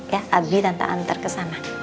ya abi tante antar kesana